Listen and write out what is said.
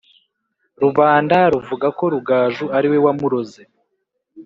rubanda ruvuga ko rugaju ari we wamuroze;